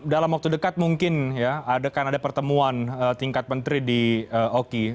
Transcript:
dalam waktu dekat mungkin ya ade kan ada pertemuan tingkat menteri di oki